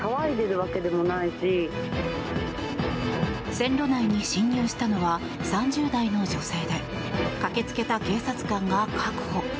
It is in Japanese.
線路内に侵入したのは３０代の女性で駆け付けた警察官が確保。